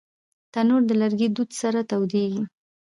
تنور د لرګي دود سره تودېږي